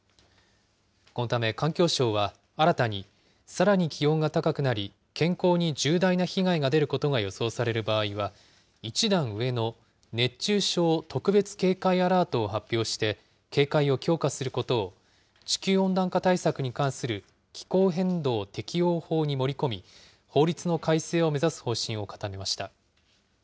このため環境省は新たにさらに気温が高くなり、健康に重大な被害が出ることが予想される場合は、一段上の熱中症特別警戒アラートを発表して、警戒を強化することを、地球温暖化対策に関する気候変動適応法に盛り込み、法律の改正を目指す方針を固めました。